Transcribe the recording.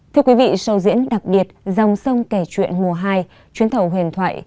thưa quý vị show diễn đặc biệt dòng sông kể chuyện mùa hai chuyến thầu huyền thoại